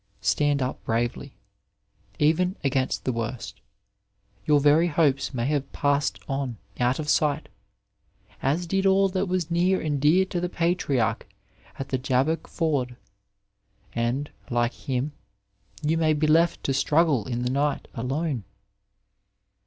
Stand up bravely, even against the worst. Your very hopes may have passed on out of sight, as did all that was near and dear to the Patriarch at the Jabbok ford, and, like him, you may be left to struggle in the night alone.